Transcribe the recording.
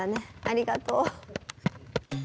ありがとう。